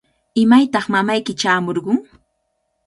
¿Imaytaq mamayki chaamurqun?